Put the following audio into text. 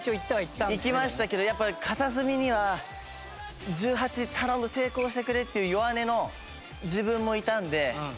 行きましたけどやっぱ片隅には「１８頼む成功してくれ」っていう弱音の自分もいたので。